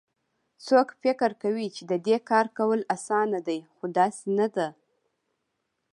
څوک فکر کوي چې د دې کار کول اسان دي خو داسي نه ده